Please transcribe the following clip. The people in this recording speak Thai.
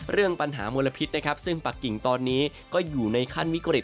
เรื่องปัญหามลพิษนะครับซึ่งปากกิ่งตอนนี้ก็อยู่ในขั้นวิกฤต